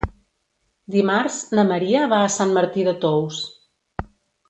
Dimarts na Maria va a Sant Martí de Tous.